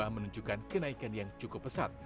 menunjukkan kenaikan yang cukup pesat